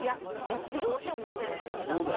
やってよって思っちゃいますね。